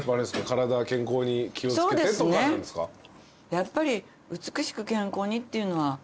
やっぱり美しく健康にっていうのは。